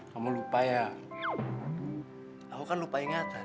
kamu lupa ya aku kan lupa ingatan